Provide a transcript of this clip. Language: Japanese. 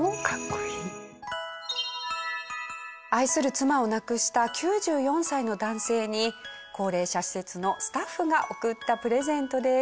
愛する妻を亡くした９４歳の男性に高齢者施設のスタッフが贈ったプレゼントです。